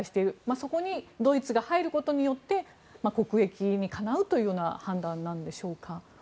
そこにドイツが入ることによって国益にかなうという判断なのでしょうか。